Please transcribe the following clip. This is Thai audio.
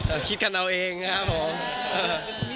เออคิดกันเอาเองนะครับผม